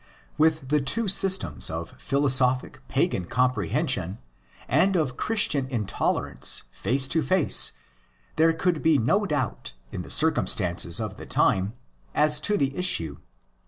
With the two systems of philosophic pagan comprehension and of Christian intolerance face to face, there could be no doubt, in the circumstances of the time, as to the issue.